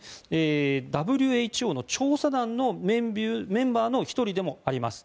ＷＨＯの調査団のメンバーの１人でもあります。